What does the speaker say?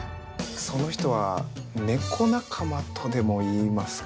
その人は猫仲間とでも言いますか。